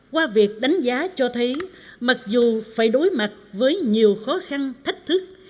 qua việc đánh giá cho thấy mặc dù phải đối mặt với nhiều khó khăn thách thức